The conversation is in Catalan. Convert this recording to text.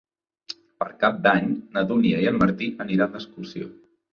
Per Cap d'Any na Dúnia i en Martí aniran d'excursió.